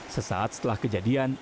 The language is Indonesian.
sesaat setelah kejadian